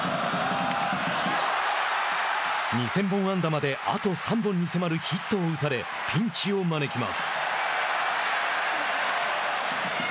２０００本安打まであと３本に迫るヒットを打たせピンチを招きます。